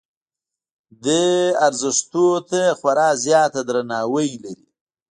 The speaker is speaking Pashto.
دې ارزښتونو ته خورا زیات درناوی لري.